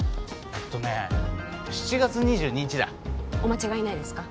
えっとね７月２２日だお間違いないですか？